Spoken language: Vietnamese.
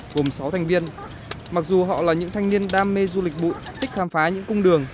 gồm sáu thành viên mặc dù họ là những thanh niên đam mê du lịch bụi thích khám phá những cung đường